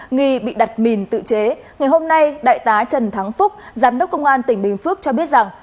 nghi bị đặt mìn tự chế ngày hôm nay đại tá trần thắng phúc giám đốc công an tỉnh bình phước cho biết rằng